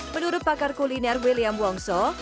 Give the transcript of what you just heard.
menurut pakar kuliner william wongso